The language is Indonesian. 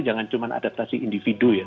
jangan cuma adaptasi individu ya